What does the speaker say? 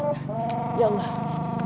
ana tidak sanggup genjot